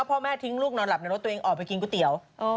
พ่อแม่ทิ้งลูกนอนหลับในรถตัวเองออกไปกินก๋วยเตี๋ยว